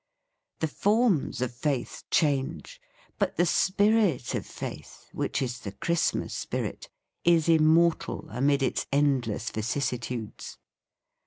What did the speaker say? The forms of faith change, but the spirit of faith, which is the Christmas spirit, is immortal amid its endless vicissitudes.